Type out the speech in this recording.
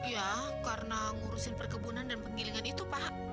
ya karena ngurusin perkebunan dan penggilingan itu pak